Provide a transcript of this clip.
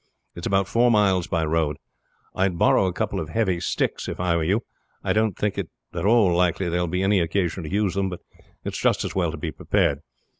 It's about four miles by road. I would borrow a couple of heavy sticks if I were you. I don't think it at all likely there will be any occasion to use them, but it is just as well to be prepared.